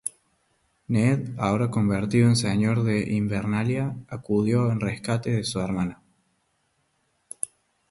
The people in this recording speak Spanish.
Ned, ahora convertido en señor de Invernalia, acudió en rescate de su hermana.